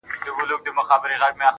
نو په تاسي کي